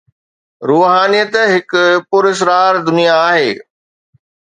روحانيت هڪ پراسرار دنيا آهي.